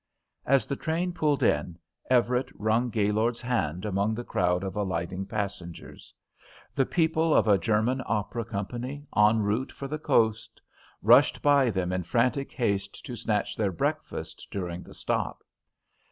As the train pulled in, Everett wrung Gaylord's hand among the crowd of alighting passengers. The people of a German opera company, en route for the coast, rushed by them in frantic haste to snatch their breakfast during the stop.